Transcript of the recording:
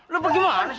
lu pergi mana sih